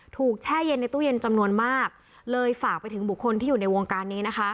แช่เย็นในตู้เย็นจำนวนมากเลยฝากไปถึงบุคคลที่อยู่ในวงการนี้นะคะ